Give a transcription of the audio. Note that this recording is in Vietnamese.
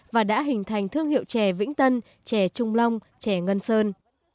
và đã hình thành thương hiệu trè vĩnh tân trè trung long trè ngân sơn